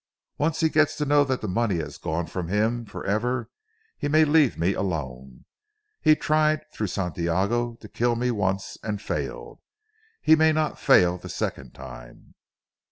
Once he gets to know that the money has gone from him for ever, he may leave me alone. He tried through Santiago to kill me once, and failed. He may not fail the second time."